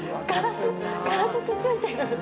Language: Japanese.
ガラスつついてる。